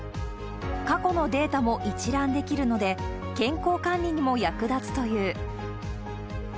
過去のデータも一覧できるので、健康管理にも役立つという。